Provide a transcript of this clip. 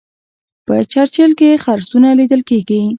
په چرچیل کې خرسونه لیدل کیږي.